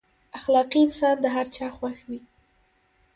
اخلاقي انسان د هر چا خوښ وي.